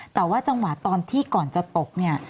แต่ว่าจังหวะตอนที่ก่อนจะตกเนี่ย